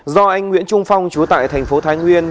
do anh nguyễn trung phong chú tại thành phố thái nguyên